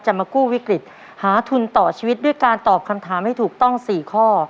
มากู้วิกฤตหาทุนต่อชีวิตด้วยการตอบคำถามให้ถูกต้อง๔ข้อ